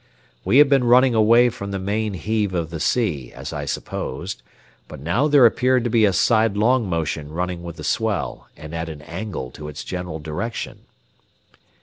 We had been running away from the main heave of the sea, as I supposed, but now there appeared to be a sidelong motion running with the swell and at an angle to its general direction.